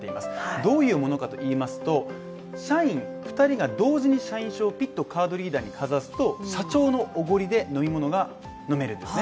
どういうものかといいますと、社員２人が同時に社員証をピッとカードリーダーにかざすと、社長のおごりで飲み物が飲めるですね。